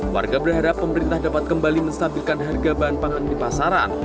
warga berharap pemerintah dapat kembali menstabilkan harga bahan pangan di pasaran